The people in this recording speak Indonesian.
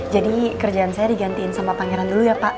jadi kerjaan saya digantiin sama pangeran dulu ya pak